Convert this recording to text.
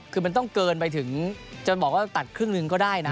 คือมันต้องเกินไปถึงจนบอกว่าตัดครึ่งหนึ่งก็ได้นะ